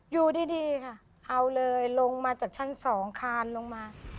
อยู่ดีค่ะเอาเลยลงมาจากชั้นสองคานลงมา